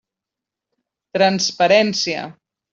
Transparència.